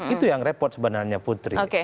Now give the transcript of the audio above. itu yang repot sebenarnya putri